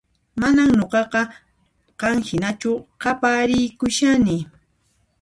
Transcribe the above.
Manan nuqaqa qan hinachu qapariykushani